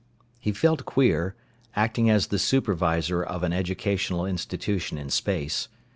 He felt queer, acting as the supervisor of an educational institution in space.